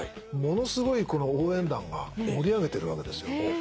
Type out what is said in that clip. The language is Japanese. ものすごい応援団が盛り上げてるわけですよ。